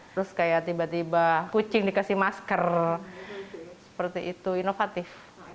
terus kayak tiba tiba kucing dikasih masker seperti itu inovatif